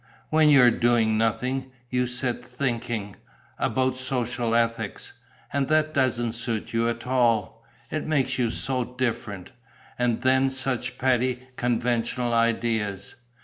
When you're doing nothing, you sit thinking about social ethics and that doesn't suit you at all. It makes you so different. And then such petty, conventional ideas.